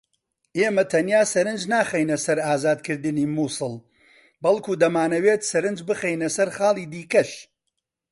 ئێمە تەنیا سەرنج ناخەینە سەر ئازادکردنی موسڵ بەڵکو دەمانەوێت سەرنج بخەینە سەر خاڵی دیکەش